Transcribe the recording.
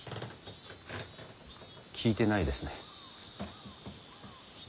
聞いてないですね。